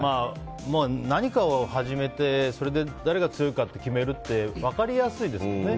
何かを始めてそれで誰が強いかって決めるって分かりやすいですもんね。